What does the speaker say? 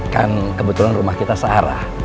kan kebetulan rumah kita searah